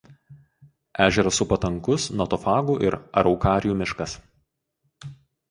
Ežerą supa tankus notofagų ir araukarijų miškas.